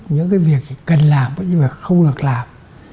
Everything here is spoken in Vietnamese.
những cái việc chỉ cần làm nhưng mà không được làm